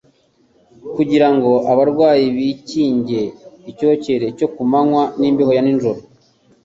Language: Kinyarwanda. kugira ngo abarwayi bikinge icyokere cyo ku manywa n’imbeho ya nijoro.